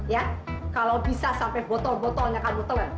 ya kalo bisa sampe botol botolnya kamu telur